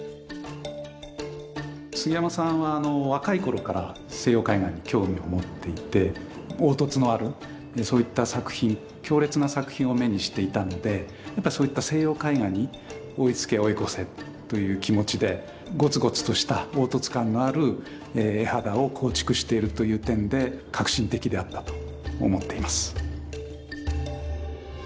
杉山さんは若い頃から西洋絵画に興味を持っていて凹凸のあるそういった作品強烈な作品を目にしていたのでやっぱそういった西洋絵画に追いつけ追い越せという気持ちでごつごつとした凹凸感のある絵肌を構築しているという点で革新的であったと思っています。